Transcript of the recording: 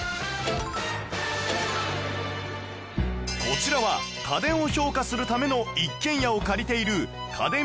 こちらは家電を評価するための一軒家を借りている家電